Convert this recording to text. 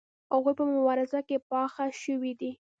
هغوی په مبارزه کې پاخه شوي دي.